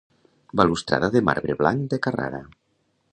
Balustrada de marbre blanc de Carrara.